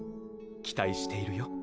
期待しているよ